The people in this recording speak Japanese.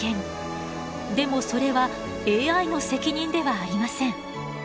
でもそれはＡＩの責任ではありません。